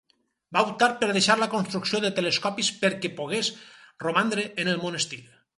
Va optar per deixar la construcció de telescopis perquè pogués romandre en el monestir.